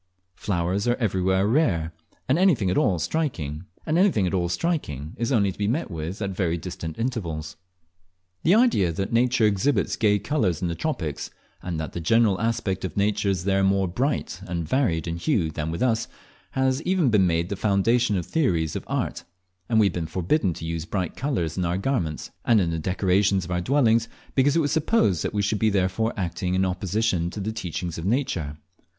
Flowers are everywhere rare, and anything at all striking is only to be met with at very distant intervals. The idea that nature exhibits gay colours in the tropics, and that the general aspect of nature is there more bright and varied in hue than with us, has even been made the foundation of theories of art, and we have been forbidden to use bright colours in our garments, and in the decorations of our dwellings, because it was supposed that we should be thereby acting in opposition to the teachings of nature.